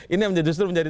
ini yang justru menjadi